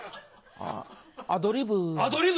アアドリブ。